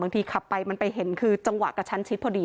ทีขับไปมันไปเห็นคือจังหวะกระชั้นชิดพอดี